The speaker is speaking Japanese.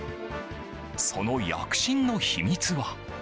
その躍進の秘密は？